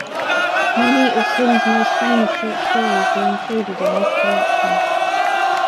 Many of King's most famous short stories were included in this collection.